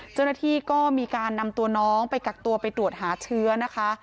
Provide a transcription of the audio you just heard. เจ้าหน้าที่ก็มีการนำตัวน้องไปกักตัวไปตรวจหาเชื้อนะคะ